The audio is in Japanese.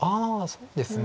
そうですね。